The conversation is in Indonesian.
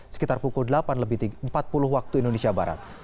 sekitar pukul delapan lebih empat puluh waktu indonesia barat